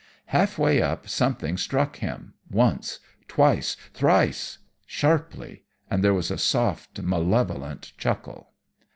"Half way up something struck him once, twice, thrice, sharply, and there was a soft, malevolent chuckle.